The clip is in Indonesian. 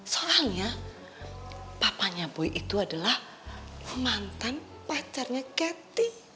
soalnya papanya boy itu adalah mantan pacarnya keti